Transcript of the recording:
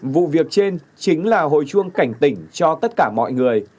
vụ việc trên chính là hồi chuông cảnh tỉnh cho tất cả mọi người